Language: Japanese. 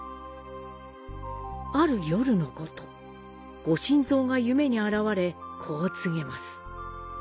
ある夜のこと、御神像が夢に現れこう告げます。